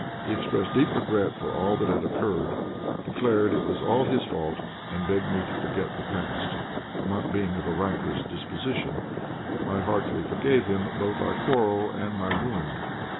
He expressed deep regret for all that had occurred, declared it was all his fault, and begged me to forget the past. Not being of a rancorous disposition, I heartily forgave him both our quarrel and my wound.